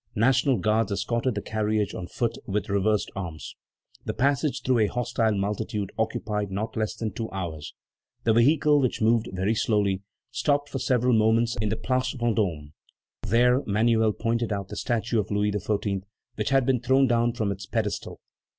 National Guards escorted the carriage on foot and with reversed arms. The passage through a hostile multitude occupied not less than two hours. The vehicle, which moved very slowly, stopped for several moments in the Place Vendôme. There Manuel pointed out the statue of Louis XIV., which had been thrown down from its pedestal.